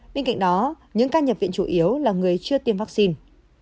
bên cạnh đó những ca nhập viện chủ yếu là người chưa tiêm vaccine